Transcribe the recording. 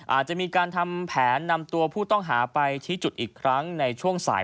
อาจจะมีการทำแผนนำตัวผู้ต้องหาไปชี้จุดอีกครั้งในช่วงสาย